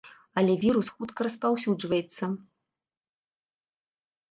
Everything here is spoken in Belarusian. Але вірус хутка распаўсюджваецца.